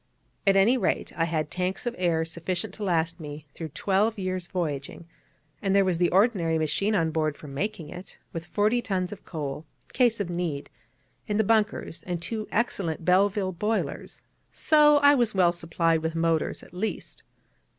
At any rate, I had tanks of air sufficient to last me through twelve years' voyaging; and there was the ordinary machine on board for making it, with forty tons of coal, in case of need, in the bunkers, and two excellent Belleville boilers: so I was well supplied with motors at least.